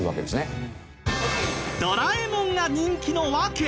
『ドラえもん』が人気の訳